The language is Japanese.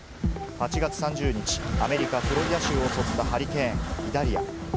８月３０日、アメリカ・フロリダ州を襲ったハリケーン・イダリア。